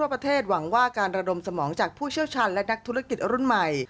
ประเทศหวังว่าการระดมสมองจากผู้เชี่ยวชาญและนักธุรกิจรุ่นใหม่